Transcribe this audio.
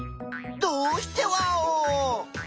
どうしてワオ！？